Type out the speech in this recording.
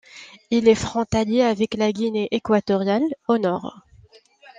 Il est frontalier avec la Guinée équatoriale, au nord.